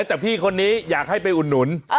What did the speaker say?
แต่พี่คนนี้อยากให้ไปอุดหนุน